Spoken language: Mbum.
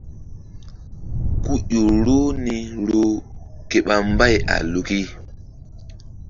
Ku ƴo roh ni roh ke ɓa mbay a luki.